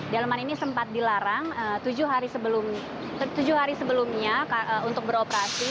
delman ini sempat dilarang tujuh hari sebelumnya untuk beroperasi